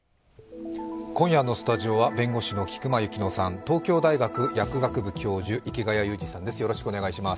今夜のスタジオは弁護士の菊間千乃さん、東京大学薬学部教授、池谷裕二さんです。